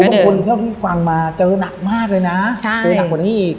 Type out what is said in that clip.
ทุกคนเท่าที่ฟังมาเจอหนักมากเลยนะเจอหนักกว่านี้อีก